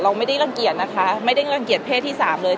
ไม่ได้รังเกียจนะคะไม่ได้รังเกียจเพศที่๓เลย